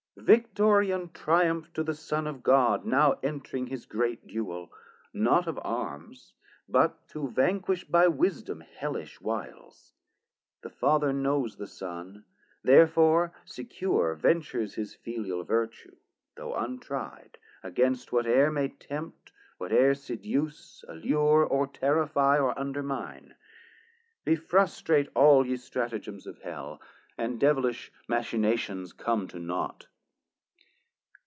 Victory and Triumph to the Son of God Now entring his great duel, not of arms, But to vanquish by wisdom hellish wiles. The Father knows the Son; therefore secure Ventures his filial Vertue, though untri'd, Against whate're may tempt, whate're seduce, Allure, or terrifie, or undermine. Be frustrate all ye stratagems of Hell, 180 And devilish machinations come to nought.